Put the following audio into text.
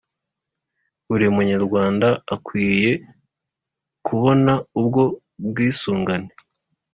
buri munyarwanda akwiye kubona ubwo bwisungane